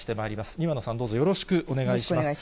庭野さん、どうぞよろしくお願いいたします。